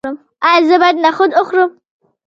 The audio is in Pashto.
ایا زه باید نخود وخورم؟